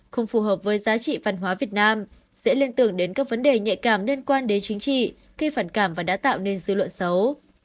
không phù hợp với giá trị văn hóa việt nam sẽ liên tưởng đến các vấn đề nhạy cảm liên quan đến chính trị khi phản cảm và đã tạo nên dư luận xấu